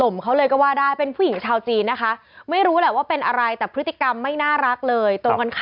ไม่รู้แหละว่าเป็นอะไรแต่พฤติกรรมไม่น่ารักเลย